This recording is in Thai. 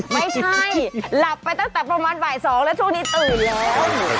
ไม่ใช่หลับไปตั้งแต่ประมาณบ่าย๒แล้วช่วงนี้ตื่นแล้ว